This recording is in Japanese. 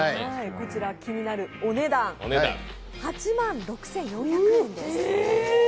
気になるお値段、８万６４００円です。